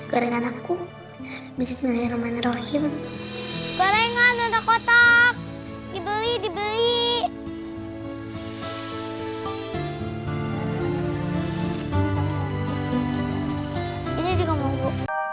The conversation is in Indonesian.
kerengan aku bisnis menerima nerohim kerengan untuk kotak dibeli beli ini juga mau